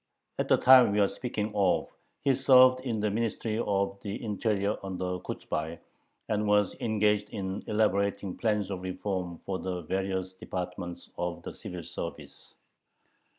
At the time we are speaking of he served in the Ministry of the Interior under Kochubay, and was engaged in elaborating plans of reform for the various departments of the civil service.